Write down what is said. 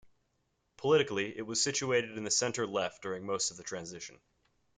Politically, it was situated in the centre-left during most of the transition.